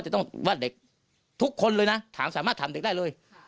ทุกคนเลยนะสามารถถามเด็กได้เลย